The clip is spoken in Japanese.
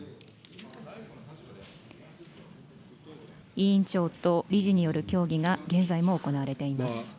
委員長と理事による協議が現在も行われています。